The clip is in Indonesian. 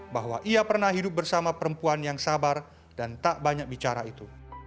bahwa ia pernah hidup bersama perempuan yang sabar dan tak banyak bicara itu